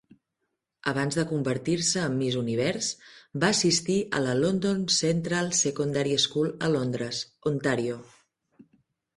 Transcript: Abans de convertir-se en Miss Univers, va assistir a la London Central Secondary School a Londres, Ontario.